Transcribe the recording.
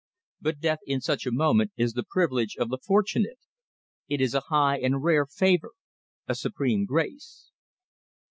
But death in such a moment is the privilege of the fortunate, it is a high and rare favour, a supreme grace.